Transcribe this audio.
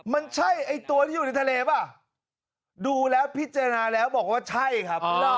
มันใช่ไอ้ตัวที่อยู่ในทะเลป่ะดูแล้วพิจารณาแล้วบอกว่าใช่ครับ